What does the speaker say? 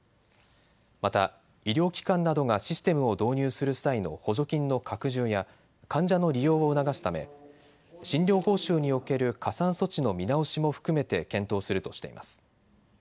また医療機関などがシステムを導入する際の補助金の拡充や患者の利用を促すため診療報酬における加算措置の見直しも含めて検討するとしています。